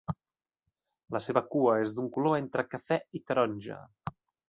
La seva cua és d'un color entre cafè i taronja.